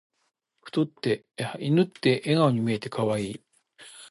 犬って笑顔に見えて可愛い。